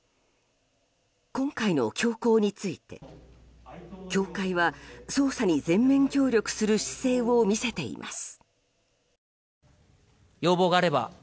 今回の凶行について教会は捜査に全面協力する姿勢を見せています。